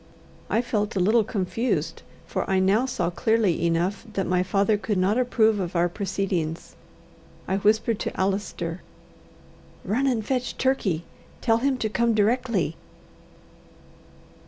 I felt a little confused, for I now saw clearly enough that my father could not approve of our proceedings. I whispered to Allister "Run and fetch Turkey. Tell him to come directly."